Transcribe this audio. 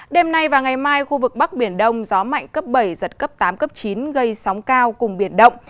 đêm nay và ngày mai khu vực bắc biển đông gió mạnh cấp bảy giật cấp tám cấp chín gây sóng cao cùng biển động